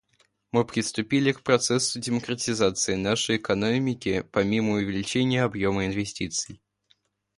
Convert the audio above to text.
Мы приступили к процессу демократизации нашей экономики помимо увеличения объема инвестиций.